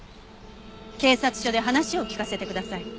警察署で話を聞かせてください。